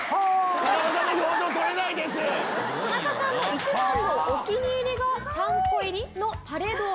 田中さんの一番のお気に入りが３個入りのパレドール。